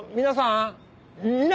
皆さん！